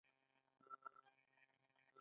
د ځمکې لاندې اوبه کمې شوي؟